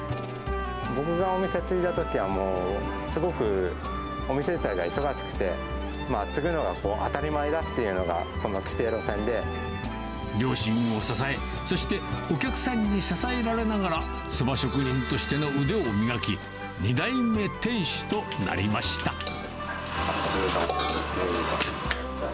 僕がお店継いだときはもう、すごくお店自体が忙しくて、まあ、継ぐのが当たり前だってい両親を支え、そしてお客さんに支えられながら、そば職人としての腕を磨き、カツ丼、かけうどん、さあ、やりましょう。